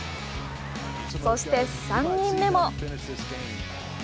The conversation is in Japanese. そして３人目も。